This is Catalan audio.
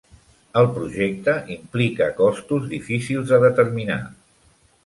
El projecte implica costos difícils de determinar.